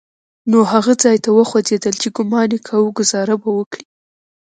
نو هغه ځای ته وخوځېدل چې ګومان يې کاوه ګوزاره به وکړي.